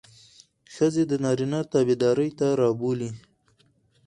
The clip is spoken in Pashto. ښځې د نارينه تابعدارۍ ته رابولي.